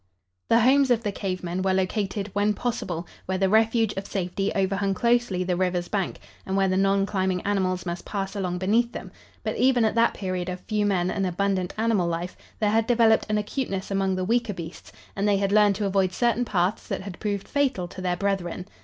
The homes of the cave men were located, when possible, where the refuge of safety overhung closely the river's bank, and where the non climbing animals must pass along beneath them, but, even at that period of few men and abundant animal life, there had developed an acuteness among the weaker beasts, and they had learned to avoid certain paths that had proved fatal to their brethren.